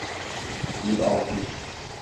Yüz altmış…